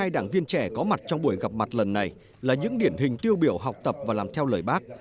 ba trăm chín mươi hai đảng viên trẻ có mặt trong buổi gặp mặt lần này là những điển hình tiêu biểu học tập và làm theo lời bác